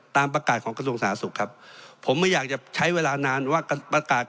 ตามประกาศของกระทรวงสาธารณสุขครับผมไม่อยากจะใช้เวลานานว่าประกาศ